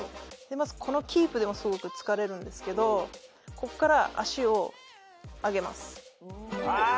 このキープでもすごく疲れるんですけどここから足を上げます。